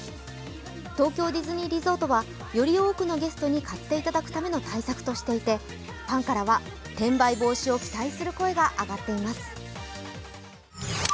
東京ディズニーリゾートはより多くのゲストに買っていただくための対策としていて、ファンからは転売防止を期待する声が上がっています。